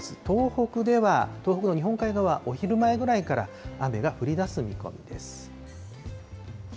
東北では東北の日本海側、お昼前ぐらいから雨が降りだす見込みです。